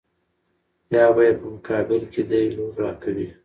يا به يې په مقابل کې دې لور را کوې.